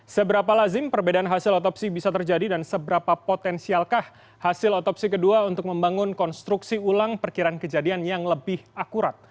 seberapa lazim perbedaan hasil otopsi bisa terjadi dan seberapa potensialkah hasil otopsi kedua untuk membangun konstruksi ulang perkiraan kejadian yang lebih akurat